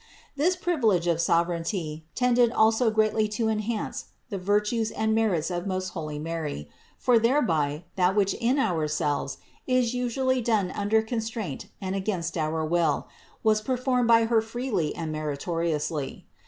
This privilege of sov ereignty tended also greatly to enhance the virtues and merits of most holy Mary, for thereby that which in ourselves is usually done under constraint and against our will, was performed by Her freely and meritoriously.